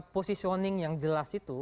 positioning yang jelas itu